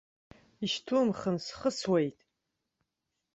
Ишьҭумхын, схысуеит!